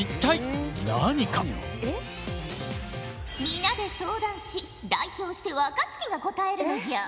皆で相談し代表して若槻が答えるのじゃ。